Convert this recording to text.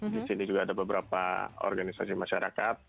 di sini juga ada beberapa organisasi masyarakat